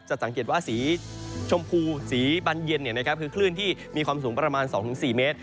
สังเกตว่าสีชมพูสีบันเย็นคือคลื่นที่มีความสูงประมาณ๒๔เมตร